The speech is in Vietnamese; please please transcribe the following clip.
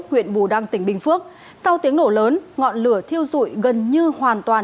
huyện bù đăng tỉnh bình phước sau tiếng nổ lớn ngọn lửa thiêu dụi gần như hoàn toàn